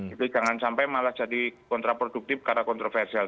itu jangan sampai malah jadi kontraproduktif karena kontroversial